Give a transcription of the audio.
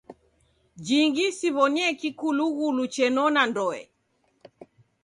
Jingi siw'onie kikulughulu chenona ndoe.